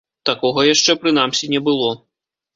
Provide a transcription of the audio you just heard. Такога яшчэ, прынамсі, не было.